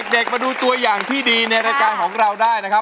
เด็กมาดูตัวอย่างที่ดีในรายการของเราได้นะครับ